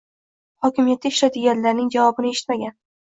Hokimiyatda ishlaydiganlarning javobini eshitmagan.